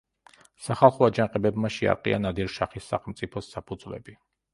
სახალხო აჯანყებებმა შეარყია ნადირ-შაჰის სახელმწიფოს საფუძვლები.